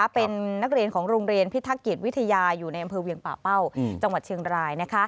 เป็นนักเรียนของโรงเรียนพิทักกิจวิทยาอยู่ในอำเภอเวียงป่าเป้าจังหวัดเชียงราย